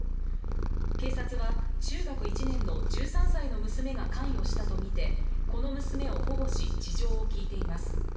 警察は、中学１年の１３歳の娘が関与したとみてこの娘を保護し事情を聴いています。